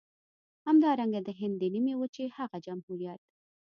همدارنګه د هند د نيمې وچې هغه جمهوريت.